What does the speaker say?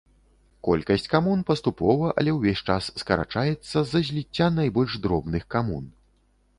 Колькасць камун паступова, але ўвесь час скарачаецца з-за зліцця найбольш дробных камун.